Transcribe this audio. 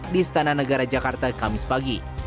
di istana negara jakarta kamis pagi